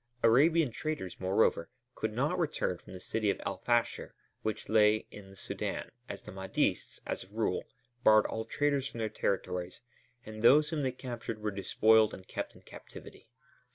Arabian traders, moreover, could not return from the city of El Fasher which lay in the Sudân, as the Mahdists, as a rule, barred all traders from their territories, and those whom they captured were despoiled and kept in captivity.